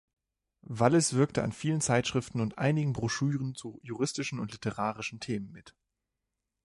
Wallis wirkte an vielen Zeitschriften und einigen Broschüren zu juristischen und literarischen Themen mit.